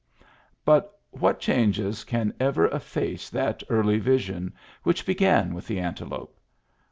But what changes can ever e£Face that early vision which began with the antelope?